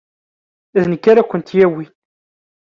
D nekk ara kent-yawin.